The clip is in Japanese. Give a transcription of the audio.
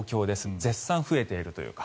絶賛増えているというか。